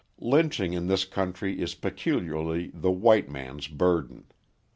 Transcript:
Lynching in this country is peculiarly the white man's burden.